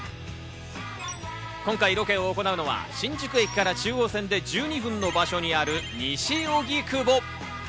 今回ロケを行うのは新宿駅から中央線で１２分の場所にある西荻窪。